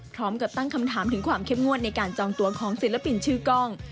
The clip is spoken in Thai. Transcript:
พร้อมกับตั้งคำถามถึงความเข้มงวดในการจองตัวของศิลปินชื่อกล้อง